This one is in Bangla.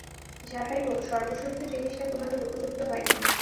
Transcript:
যাহাই হউক সর্বসুদ্ধ জিনিসটা তোমাদের উপযুক্ত হয় নাই?